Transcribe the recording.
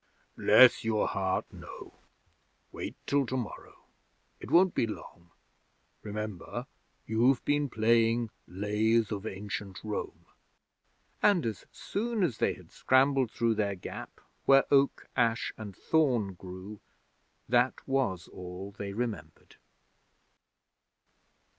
'Bless your heart, no. Wait till tomorrow. It won't be long. Remember, you've been playing Lays of Ancient Rome.' And as soon as they had scrambled through their gap where Oak, Ash, and Thorn grew, that was all they remembered.